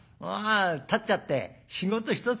断っちゃって仕事一筋。